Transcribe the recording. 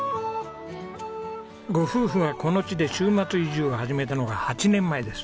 ご夫婦がこの地で週末移住を始めたのが８年前です。